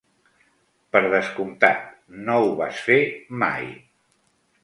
Per descomptat, no ho vas fer mai.